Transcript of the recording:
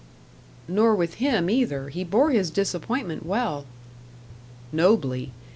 "Nor with him either. He bore his disappointment well." "Nobly.